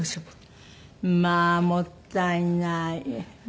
まあもったいない。